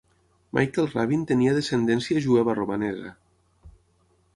Michael Rabin tenia descendència jueva romanesa.